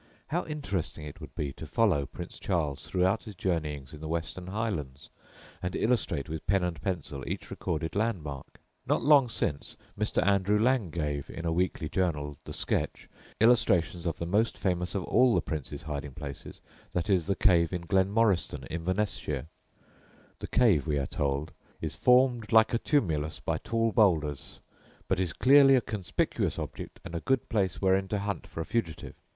How interesting it would be to follow Prince Charles throughout his journeyings in the Western Highlands, and illustrate with pen and pencil each recorded landmark! Not long since Mr. Andrew Lang gave, in a weekly journal (The Sketch), illustrations of the most famous of all the Prince's hiding places viz. the cave in Glenmoriston, Inverness shire. The cave, we are told, is "formed like a tumulus by tall boulders, but is clearly a conspicious object, and a good place wherein to hunt for a fugitive.